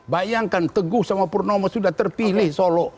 bayangkan teguh sama purnomo sudah terpilih solo